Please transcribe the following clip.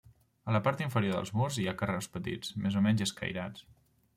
A la part inferior dels murs hi ha carreus petits, més o menys escairats.